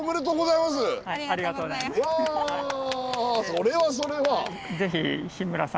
それはそれは。